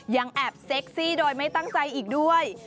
ยังแอบเซ็กซี่โดยไม่ตั้งใจอีกด้วย